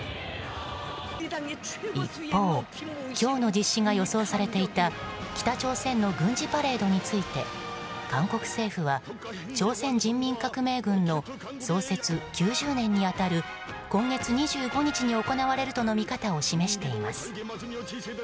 一方今日の実施が予想されていた北朝鮮の軍事パレードについて韓国政府は朝鮮人民革命軍の創設９０年に当たる今月２５日に行われるとの見方を示しています。